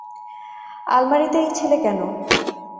আলমারিতে এই ছেলে কেন?